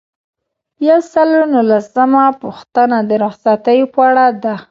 یو سل او نولسمه پوښتنه د رخصتیو په اړه ده.